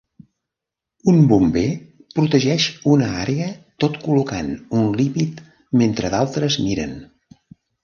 Un bomber protegeix una àrea tot col·locant un límit mentre d'altres miren.